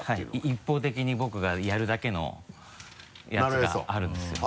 一方的に僕がやるだけのやつがあるんですよ。